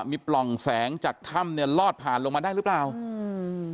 มีปล่องแสงจากถ้ำเนี้ยลอดผ่านลงมาได้หรือเปล่าอืม